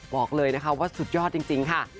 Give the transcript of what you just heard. บอกเลยนะคะว่าสุดยอดจริงค่ะ